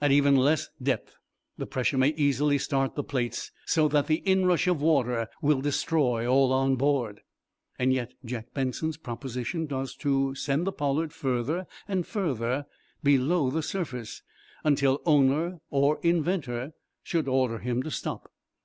At even less depth the pressure may easily start the plates so that the inrush of water will destroy all on board. Yet Jack Benson's proposition was to send the "Pollard" further and further below the surface, until owner or inventor should order him to stop.